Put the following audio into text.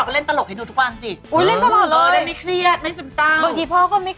อย่างอื่นอย่างอื่นคือ